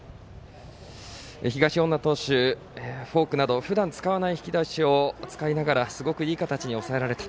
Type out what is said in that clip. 東恩納投手、フォークなどふだん使わない引き出しを使いながら、いい形で抑えられた。